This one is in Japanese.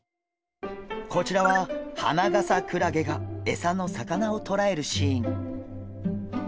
こちらはハナガサクラゲがエサの魚をとらえるシーン。